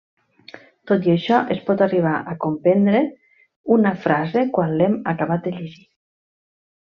Tot i això es pot arribar a comprendre una frase quan l'hem acabat de llegir.